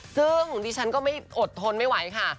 ซึ่งดิฉันก็ไม่อดทนไม่ไหวค่ะ